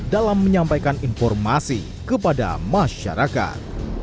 dalam menyampaikan informasi kepada masyarakat